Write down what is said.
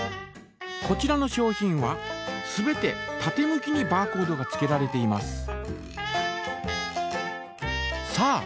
こちらの商品は全て縦向きにバーコードがつけられています。